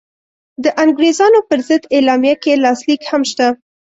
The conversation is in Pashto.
د انګرېزانو پر ضد اعلامیه کې یې لاسلیک هم شته.